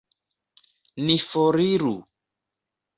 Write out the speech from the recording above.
Ni foriru!